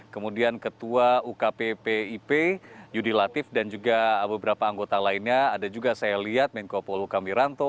kemudian ketua ukp pip yudi latif dan juga beberapa anggota lainnya ada juga saya lihat menko polo kamiranto